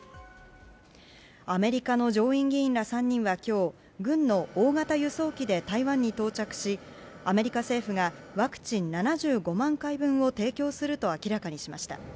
アメリカの上院議員ら３人は今日軍の大型輸送機で台湾に到着しアメリカ政府がワクチン７５万回分を提供すると明らかにしました。